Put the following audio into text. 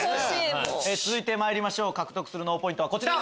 続いてまいりましょう獲得する脳ポイントはこちら！